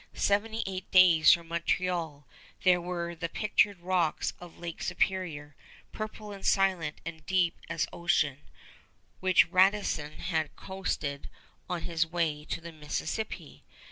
Seventy eight days from Montreal, there were the pictured rocks of Lake Superior, purple and silent and deep as ocean, which Radisson had coasted on his way to the Mississippi.